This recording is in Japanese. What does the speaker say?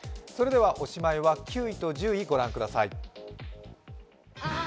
おしまいは９位と１０位ご覧ください。